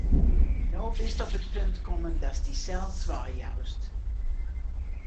No bist op it punt kommen, datst dysels weijoust.